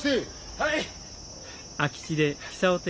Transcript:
はい！